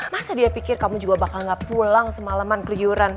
masa dia pikir kamu juga bakal gak pulang semalaman keliuran